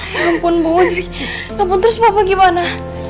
mampun putri mampun terus papa gimana